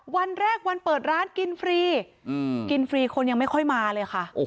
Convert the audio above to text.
วันแรกวันเปิดร้านกินฟรีกินฟรีคนยังไม่ค่อยมาเลยค่ะ